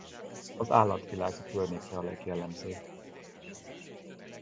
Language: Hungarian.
Az állatvilág a környékre a legjellemzőbb.